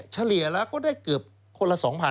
เฉลี่ยแล้วก็ได้เกือบคนละ๒๐๐๐